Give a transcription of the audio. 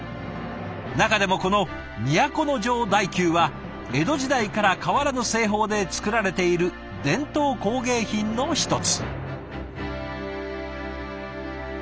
中でもこの都城大弓は江戸時代から変わらぬ製法で作られている伝統工芸品の一つ。